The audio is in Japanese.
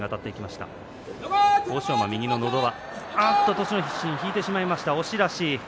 栃ノ心、引いてしまいました押し出し。